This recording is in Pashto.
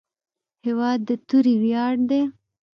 هېواد د توري ویاړ دی.